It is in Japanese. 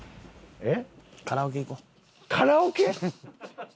えっ？